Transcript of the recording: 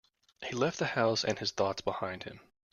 He left the house and his thoughts behind him.